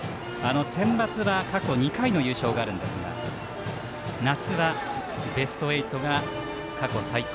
センバツは過去２回の優勝があるんですが夏はベスト８が過去最高。